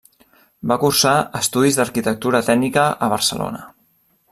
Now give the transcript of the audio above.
Va cursar estudis d'arquitectura tècnica a Barcelona.